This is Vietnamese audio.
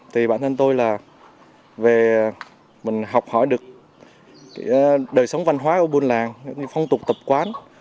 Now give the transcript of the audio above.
thì bản thân tôi là về mình học hỏi được đời sống văn hóa của buôn làng phong tục tập quán